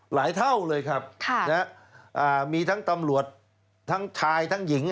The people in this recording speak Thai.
เท่าเลยครับมีทั้งตำรวจทั้งชายทั้งหญิง